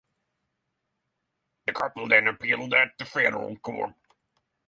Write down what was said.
The couple then appealed at the Federal Court.